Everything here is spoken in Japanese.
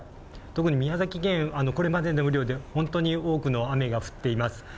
特に宮崎県、これまでの雨量で本当に多くの雨が降っています。